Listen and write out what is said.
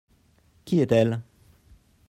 Qui est-elle ?